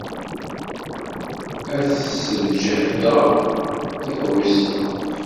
Ad t-sǧehdeɣ, ad t-ɛuzzeɣ.